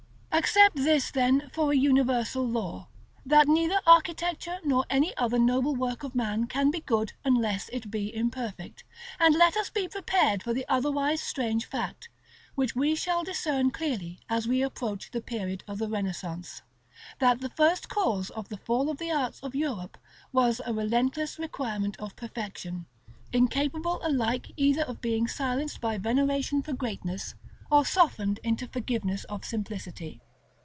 Accept this then for a universal law, that neither architecture nor any other noble work of man can be good unless it be imperfect; and let us be prepared for the otherwise strange fact, which we shall discern clearly as we approach the period of the Renaissance, that the first cause of the fall of the arts of Europe was a relentless requirement of perfection, incapable alike either of being silenced by veneration for greatness, or softened into forgiveness of simplicity.